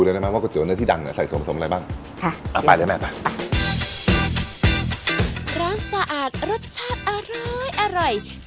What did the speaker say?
ร้านสะอาดรสชาติอร้อยอร่อย